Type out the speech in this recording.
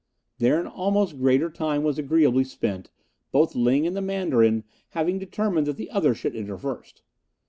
There an almost greater time was agreeably spent, both Ling and the Mandarin having determined that the other should enter first.